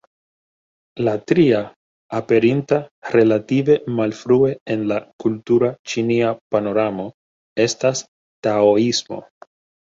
La tria, aperinta relative malfrue en la kultura ĉinia panoramo, estas Taoismo.